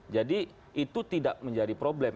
jadi itu tidak menjadi problem